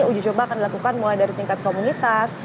ujicoba akan dilakukan mulai dari tingkat komunitas